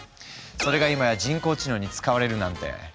それが今や人工知能に使われるなんて。